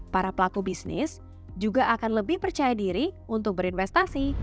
para pelaku bisnis juga akan lebih percaya diri untuk berinvestasi